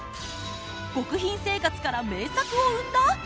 極貧生活から名作を生んだ！？